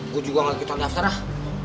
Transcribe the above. gue juga gak ikut daftar dah